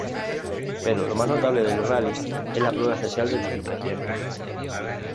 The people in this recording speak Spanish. Pero lo más notable del Rally es la prueba especial de Las Vizcacheras.